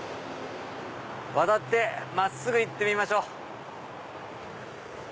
渡って真っすぐ行ってみましょう！